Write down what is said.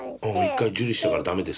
１回受理したから駄目ですと。